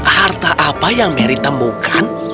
harta apa yang mary temukan